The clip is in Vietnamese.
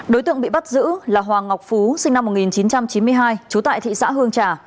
đối tượng bị bắt giữ là hoàng ngọc phú sinh năm một nghìn chín trăm chín mươi hai trú tại thị xã hương trà